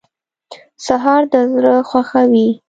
سهار د زړه خوښوي.